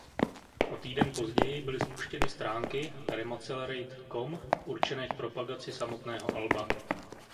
O týden později byly spuštěny stránky "remaccelerate.com" určené k propagaci samotného alba.